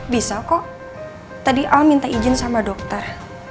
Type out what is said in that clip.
bisa kok tadi al minta izin sama dokter